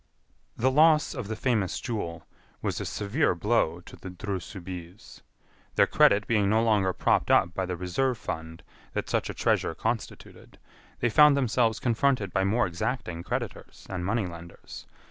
The loss of the famous jewel was a severe blow to the Dreux Soubise. Their credit being no longer propped up by the reserve fund that such a treasure constituted, they found themselves confronted by more exacting creditors and money lenders.